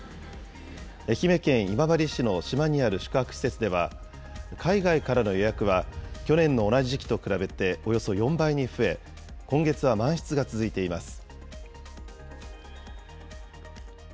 愛媛県今治市の島にある宿泊施設では、海外からの予約は去年の同じ時期と比べておよそ４倍に増え、今月は満室が続いています。